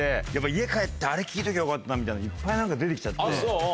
家帰ってあれ聞いときゃよかったみたいなのいっぱい出て来ちゃって。